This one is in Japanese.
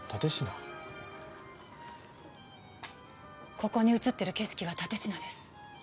ここに写ってる景色は蓼科です。